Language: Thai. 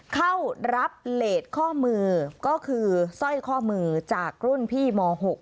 เข้ารับเลสข้อมือก็คือสร้อยข้อมือจากรุ่นพี่ม๖